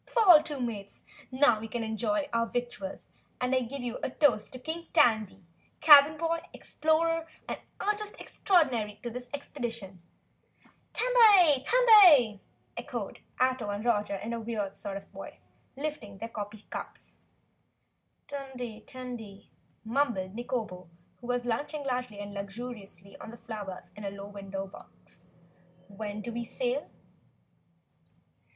Fall to, Mates, now we can enjoy our victuals and I give you a toast to King Tandy, Cabin Boy, Explorer and Artist Extraordinary to this Expedition!" "Tandy! Tandy!" echoed Ato and Roger, lifting their coffee cups. "Tandy! Tandy!" mumbled Nikobo, who was lunching largely and luxuriantly on the flowers in a low window box. "When do we sail?"